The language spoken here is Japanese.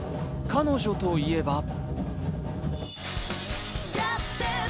彼女といえば。